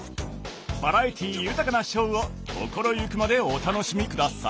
バラエティー豊かなショーを心ゆくまでお楽しみ下さい。